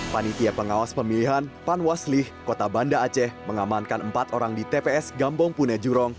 panitia pengawas pemilihan panwaslih kota banda aceh mengamankan empat orang di tps gambong pune jurong